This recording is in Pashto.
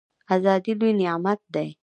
ازادي لوی نعمت دی